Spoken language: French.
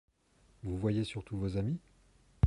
Vous voyez surtout vos amis ?